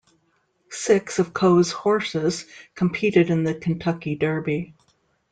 Six of Coe's horses competed in the Kentucky Derby.